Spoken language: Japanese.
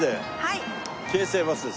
京成バスです今日。